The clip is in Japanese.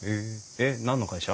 えっ何の会社？